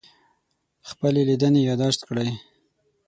خپلې لیدنې یادداشت کړئ.